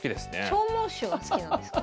長毛種が好きなんですか？